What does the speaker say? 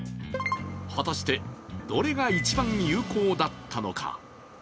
果たして、どれが一番有効だったのか。